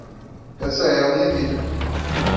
Essa é a minha vida.